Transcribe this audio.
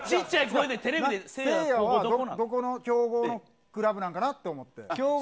せいやは、どこの強豪のクラブなんかなって思って。